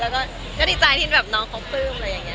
แล้วก็ดีใจที่แบบน้องเขาปลื้มอะไรอย่างนี้